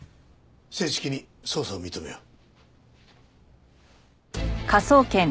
正式に捜査を認めよう。